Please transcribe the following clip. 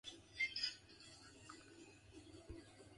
He then attended Yale.